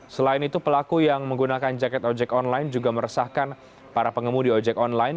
selain itu pelaku yang menggunakan jaket ojek online juga meresahkan para pengemudi ojek online